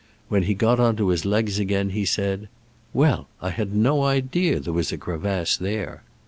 When he got on to his legs again, he said, "Well, I had no idea that there, was a crevasse there."